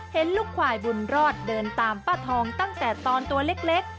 เห็นลูกควายบุญรอดเดินตามป้าทองตั้งแต่ตอนตัวเล็ก